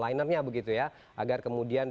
liner nya begitu ya agar kemudian